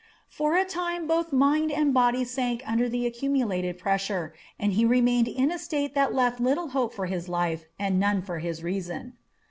For a time both mind and body sank under the accumulated pressure, and he remained in a state that lefl litde hope for his life and none for hie leeson.